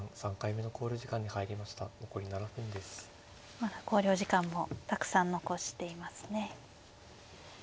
まだ考慮時間もたくさん残していますね。